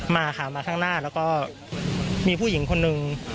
มาค่ะมาข้างหน้าแล้วก็มีผู้หญิงคนหนึ่ง